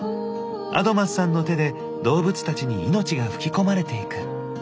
アドマスさんの手で動物たちに命が吹き込まれていく。